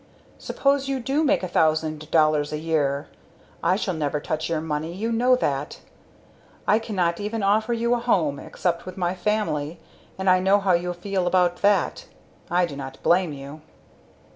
Suppose you do make a thousand dollars a year I shall never touch your money you know that. I cannot even offer you a home, except with my family, and I know how you feel about that; I do not blame you.